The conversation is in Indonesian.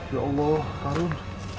ya allah harun